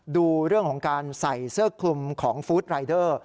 ดูเรื่องของการใส่เสื้อคลุมของฟู้ดรายเดอร์